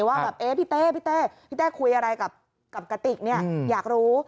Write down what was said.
ว่าพี่เต้พี่เต้พี่เต้คุยอะไรกับกระติกอยากรู้